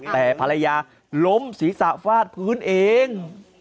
แต่ภรรยาล้มศีรษะฟาดพื้นเอง